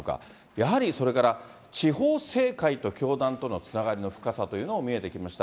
やはりそれから地方政界と教団とのつながりの深さというのも見えてきました。